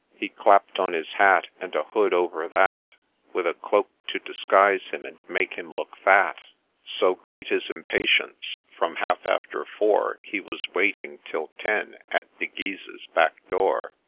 —• He clapp'd on his hat, And a hood over that, With a cloak to disguise him, and make him look fat ; So great his impatience from half after Four He was waiting till Ten at De Guise's back door.